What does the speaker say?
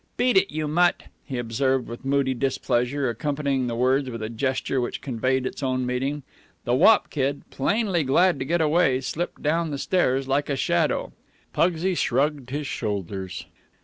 Beat it, you mutt," he observed with moody displeasure, accompanying the words with a gesture which conveyed its own meaning. The wop kid, plainly glad to get away, slipped down the stairs like a shadow. Pugsy shrugged his shoulders.